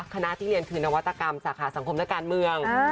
คณะที่เรียนคือนวัตกรรมสาขาสังคมนักการเมือง